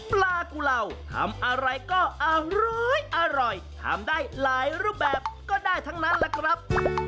ปลากุเหล่าทำอะไรก็อร้อยอร่อยทำได้หลายรูปแบบก็ได้ทั้งนั้นล่ะครับ